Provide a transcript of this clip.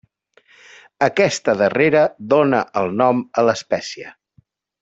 Aquesta darrera dona el nom a l'espècie.